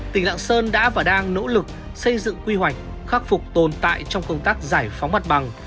tỉnh lạng sơn đã và đang nỗ lực xây dựng quy hoạch khắc phục tồn tại trong công tác giải phóng mặt bằng